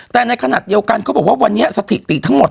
แต่ในขณะเดียวกันเขาบอกว่าวันนี้สถิติทั้งหมด